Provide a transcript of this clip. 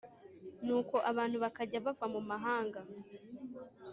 Nuko abantu bakajya bava mu mahanga